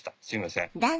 すいません。